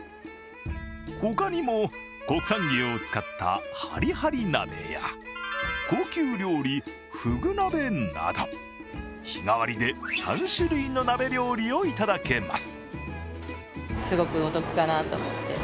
他にも、国産牛を使ったはりはり鍋や、高級料理ふぐ鍋など、日替わりで３種類の鍋料理をいただけます。